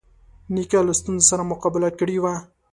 نیکه له ستونزو سره مقابله کړې وي.